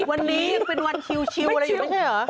วันนี้เป็นวันชิลล์อะไรอยู่ตรงนี้เหรอ